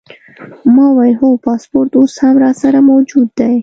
ما وویل: هو، پاسپورټ اوس هم راسره موجود دی.